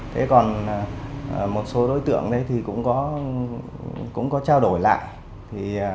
thế còn một số đối tượng đấy thì cũng có trao đổi lại